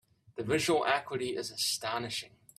The visual acuity is astonishing.